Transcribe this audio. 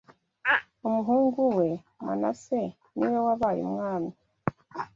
umuhungu we Manase ni we wabaye umwami